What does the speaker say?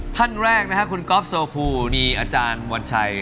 ท่านแรกนะครับคุณก๊อฟโซคูมีอาจารย์วันชัย